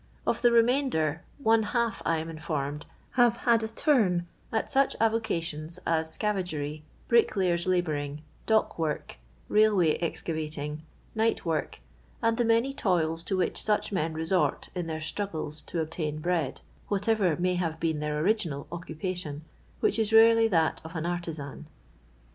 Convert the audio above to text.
Of LOS^DOy LABOUR AND THE LONDON POOR. 289 the remainder, one hoir, I am informed, have " had a turn" at such aTocations as scavtigery, bricklayers' labouring, dock work, railway ex cavating, night work, and the many toils to whkU such men resort iu their struggles to obtain bread, whateTer may have been their onu:inal occupation, whicb is rarely that of an artiz:in.